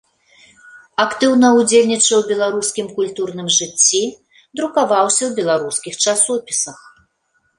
Актыўна ўдзельнічаў у беларускім культурным жыцці, друкаваўся ў беларускіх часопісах.